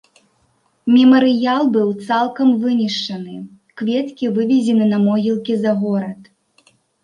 Мемарыял быў цалкам вынішчаны, кветкі вывезены на могілкі за горад.